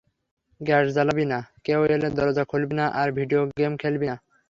Gas জ্বালাবি না, কেউ এলে দরজা খুলবি না আর ভিডিও গেম খেলবি না।